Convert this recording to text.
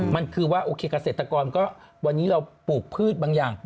มันคือว่าโอเคเกษตรกรก็วันนี้เราปลูกพืชบางอย่าง